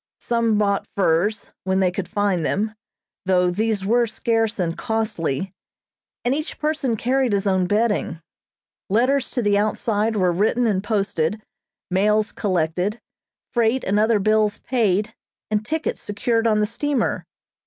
Some bought furs, when they could find them, though these were scarce and costly, and each person carried his own bedding. Letters to the outside were written and posted, mails collected, freight and other bills paid, and tickets secured on the steamer.